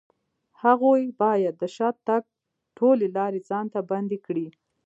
هغوی بايد د شاته تګ ټولې لارې ځان ته بندې کړي.